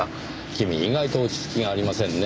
君意外と落ち着きがありませんね。